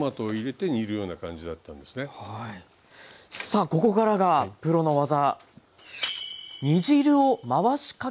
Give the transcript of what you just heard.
さあここからがプロの技！